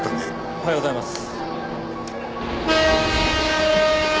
おはようございます。